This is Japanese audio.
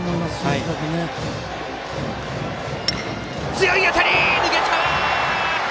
強い当たりが抜けた！